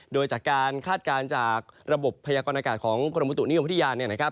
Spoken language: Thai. โดยจากการคาดการณ์จากระบบพยากรณากาศของกรมบุตุนิยมพัทยา